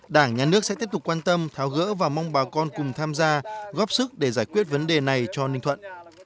đảng nhà nước sẽ tiếp tục quan tâm tháo gỡ và mong bà con cùng tham gia góp sức để giải quyết vấn đề này cho ninh thuận